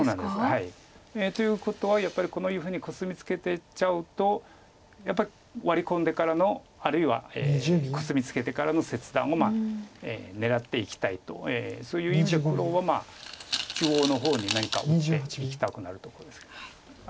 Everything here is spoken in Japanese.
ということはやっぱりこういうふうにコスミツケていっちゃうとやっぱりワリ込んでからのあるいはコスミツケてからの切断を狙っていきたいとそういう意味で黒は中央の方に何か打っていきたくなるところです。